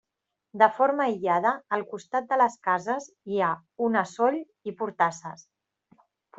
De forma aïllada, al costat de les cases, hi ha una soll i portasses.